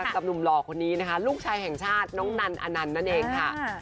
กับหนุ่มหล่อคนนี้นะคะลูกชายแห่งชาติน้องนันอนันต์นั่นเองค่ะ